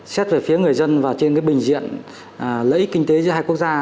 xét về phía người dân và trên cái bình diện lợi ích kinh tế giữa hai quốc gia